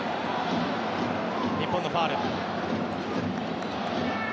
日本のファウル。